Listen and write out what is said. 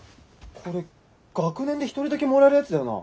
これ学年で１人だけもらえるやつだよな？